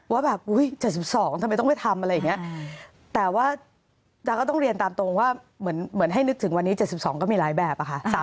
ว่าแบบ๗๒ทำไมต้องไปทำอะไรอย่างนี้แต่ว่าจ๊ะก็ต้องเรียนตามตรงว่าเหมือนให้นึกถึงวันนี้๗๒ก็มีหลายแบบอะค่ะ